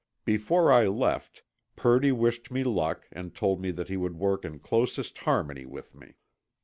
Before I left, Purdy wished me hick and told me that he would work in closest harmony with me.